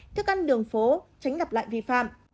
thức ăn đường phố tránh gặp lại vi phạm